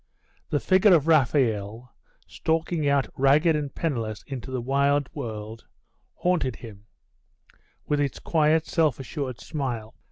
The figure of Raphael, stalking out ragged and penniless into the wide world, haunted him, with its quiet self assured smile.